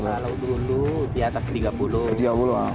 kalau dulu di atas tiga puluh